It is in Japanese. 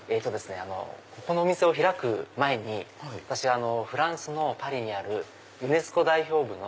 ここのお店を開く前にフランスのパリにあるユネスコ代表部の。